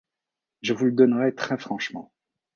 je vous le donnerai très-franchement.